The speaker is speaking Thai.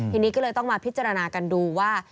ทีนี้ก็เลยต้องมาพิจารณากันดูว่า